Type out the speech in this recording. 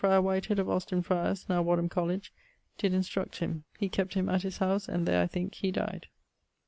Friar Whitehead[AR], of Austin Friars (now Wadham College), did instruct him. He kept him at his house and there I thinke he dyed.